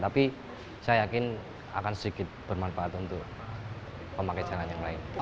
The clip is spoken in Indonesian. tapi saya yakin akan sedikit bermanfaat untuk pemakai jalan yang lain